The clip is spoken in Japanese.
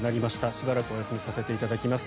しばらくお休みさせていただきます。